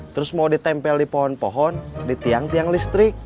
terus mau ditempel di pohon pohon ditiang tiang listrik